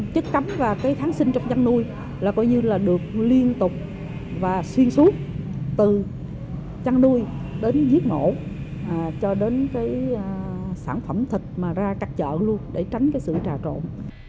chất cấm và cái tháng sinh trong chăn nuôi là được liên tục và xuyên suốt từ chăn nuôi đến giết mổ cho đến cái sản phẩm thịt mà ra cắt chọn luôn để tránh cái sự trà trộn